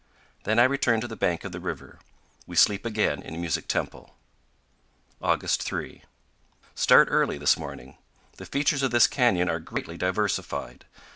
Then I return to the bank of the river. We sleep again in Music Temple. August 3. Start early this morning. The features of this canyon are greatly diversified.